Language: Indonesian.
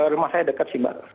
rumah saya dekat sih mbak